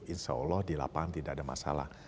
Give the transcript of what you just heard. insya allah di lapangan tidak ada masalah